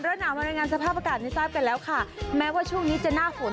เรื่องหนาวบรรยายงานสภาพอากาศไม่ทราบกันแล้วค่ะแม้ว่าช่วงนี้จะน่าฝน